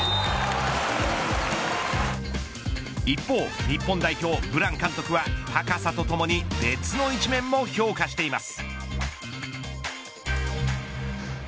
一方、日本代表ブラン監督は高さとともに別の一面も評価しています。